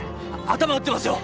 頭打ってますよ！